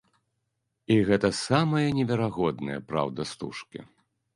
І гэта самая неверагодная праўда стужкі.